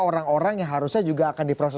orang orang yang harusnya juga akan diproses